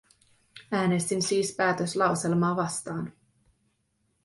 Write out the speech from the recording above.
Äänestin siis päätöslauselmaa vastaan.